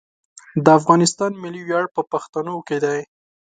د افغانستان ملي ویاړ په پښتنو کې دی.